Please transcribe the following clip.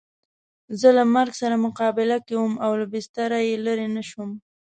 زه له مرګ سره مقابله کې وم او له بستره یې لرې نه شوم.